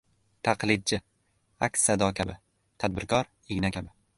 • Taqlidchi ― aks-sado kabi, tadbirkor ― igna kabi.